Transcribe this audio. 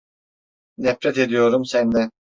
Nefret ediyorum senden!